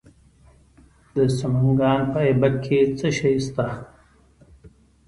د سمنګان په ایبک کې څه شی شته؟